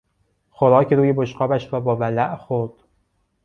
خوراک روی بشقابش را با ولع خورد.